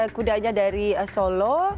kudanya dari solo